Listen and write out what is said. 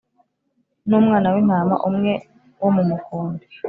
n umwana w intama umwe wo mu mukumbi